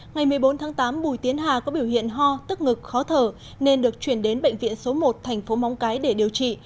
ngày một mươi bốn tháng tám bùi tiến hà có biểu hiện ho tức ngực khó thở nên được chuyển đến bệnh viện số một thành phố móng cái để điều trị